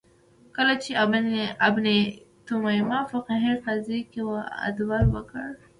کله چې ابن تیمیه فقهې قضیې کې عدول وکړ